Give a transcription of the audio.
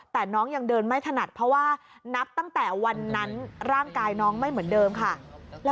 แต่น้องยังเดินไม่ถนัดเพราะว่านับตั้งแต่วันนั้นร่างกายน้องไม่เหมือนเดิมค่ะ